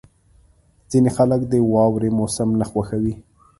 • ځینې خلک د واورې موسم نه خوښوي.